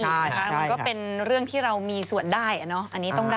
มันก็เป็นเรื่องที่เรามีส่วนได้อันนี้ต้องได้